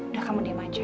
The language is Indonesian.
udah kamu diam aja